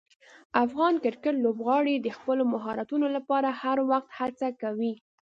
افغان کرکټ لوبغاړي د خپلو مهارتونو لپاره هر وخت هڅه کوي.